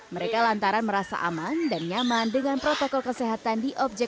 mereka lantaran merasa aman dan nyaman dengan protokol kesehatan di objek